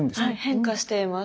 変化しています。